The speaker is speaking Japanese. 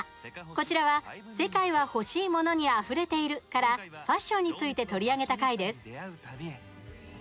こちらは「世界はほしいモノにあふれている」からファッションについて取り上げた回です。